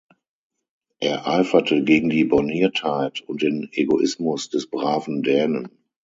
Er eiferte gegen die Borniertheit und den Egoismus des braven Dänen.